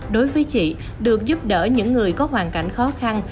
đối với chị được giúp đỡ những người có hoàn cảnh khó khăn